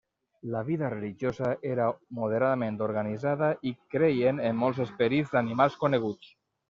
La vida religiosa era moderadament organitzada i creien en molts esperits d'animals coneguts.